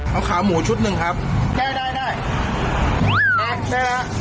เอาขาหมูชุดหนึ่งครับได้